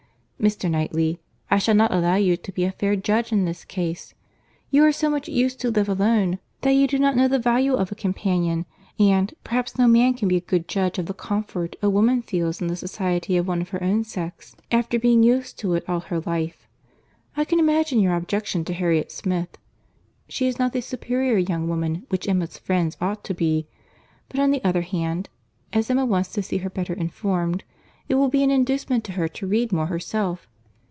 Mr. Knightley, I shall not allow you to be a fair judge in this case. You are so much used to live alone, that you do not know the value of a companion; and, perhaps no man can be a good judge of the comfort a woman feels in the society of one of her own sex, after being used to it all her life. I can imagine your objection to Harriet Smith. She is not the superior young woman which Emma's friend ought to be. But on the other hand, as Emma wants to see her better informed, it will be an inducement to her to read more herself.